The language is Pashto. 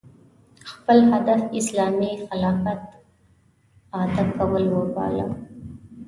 خپل هدف اسلامي خلافت اعاده کول وباله